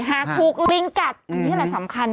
หากถูกลิงกัดอันนี้แหละสำคัญ